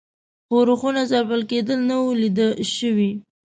ښورښونو ځپل کېدل نه وه لیده شوي.